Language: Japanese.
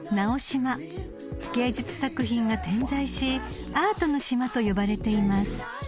［芸術作品が点在しアートの島と呼ばれています］